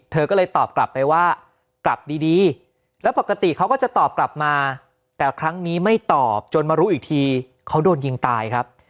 เธอก็เลยตอบกลับไปว่ากลับดีแล้วปกติเขาก็จะตอบกลับมาแต่ครั้งนี้ไม่ตอบจนมารู้อีกทีเขาโดนยิงตายครับ